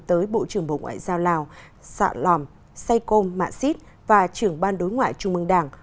tới bộ trưởng bộ ngoại giao lào sạ lòm sai công mạng xít và trưởng ban đối ngoại trung mương đảng